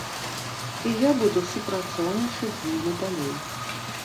І я буду супрацоўнічаць з імі далей.